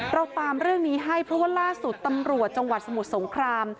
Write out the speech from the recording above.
เราตามเรื่องนี้ให้เพราะว่าล่าสุดตำรวจจังหวัดสมุทรสงคราม